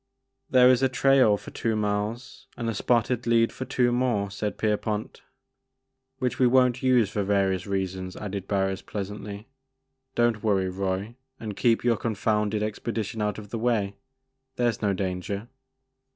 '< There is a trail for two miles and a spotted lead for two more," said Pierpont. "Which we won't use for various reasons," added Barris pleasantly ;don't worry, Roy, and keep your confounded expedition out of the way ; there *s no danger."